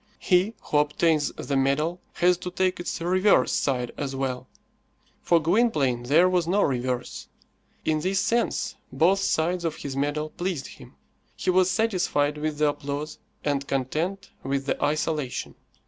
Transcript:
He who obtains the medal has to take its reverse side as well. For Gwynplaine there was no reverse. In this sense, both sides of his medal pleased him. He was satisfied with the applause, and content with the isolation.